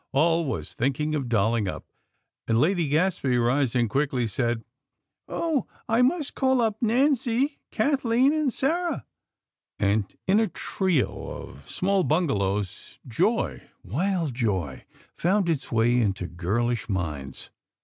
Always thinking of dolling up!" and Lady Gadsby, rising quickly, said: "Oh, I must call up Nancy, Kathlyn and Sarah!" and, in a trio of small bungalows, joy, wild joy, found its way into girlish minds!